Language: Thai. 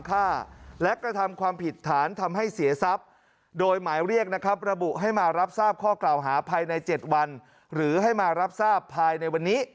กล่าวหาภายใน๗วันหรือให้มารับทราบภายในวันนี้